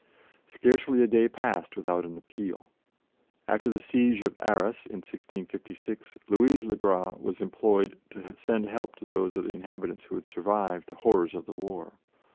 Scarcely a day passed without an appeal. After the siege of Arras in 1656, Louise le Gras was implored to send help to those of the inhabitants who had survived the horrors of the war.